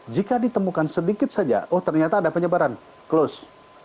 jika ditemukan sedikit saja oh ternyata ada penyebaran close